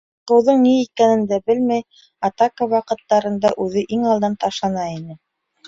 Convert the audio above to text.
Ҡурҡыуҙың ни икәнен дә белмәй, атака ваҡыттарында үҙе иң алдан ташлана ине.